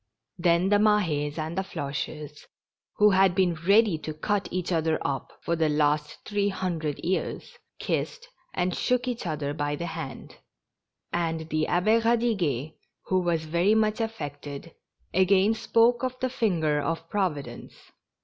Then the Mah^s and the Floches, who had been ready to cut each other up for the last three hundred years, kissed and shook each other by the hand ; and the Abbe Eadiguet, who was 230 MORE JOLLIFICATION. very mucli affected, again spoke of the finger of Provi dence.